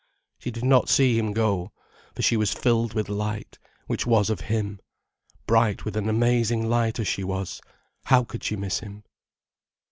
She did not see him go, for she was filled with light, which was of him. Bright with an amazing light as she was, how could she miss him.